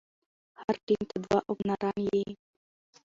هر ټيم ته دوه اوپنران يي.